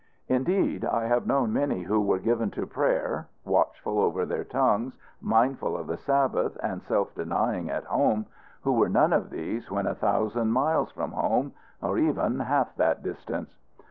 Indeed, I have known many who were given to prayer, watchful over their tongues, mindful of the Sabbath, and self denying at home, who were none of these when a thousand miles from home, or even half that distance.